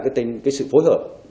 cái sự phối hợp